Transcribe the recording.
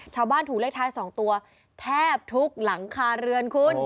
ชาวบ้านถูกเลขท้าย๒ตัวแทบทุกหลังคาเรือนคุณ